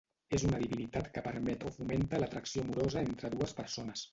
És una divinitat que permet o fomenta l'atracció amorosa entre dues persones.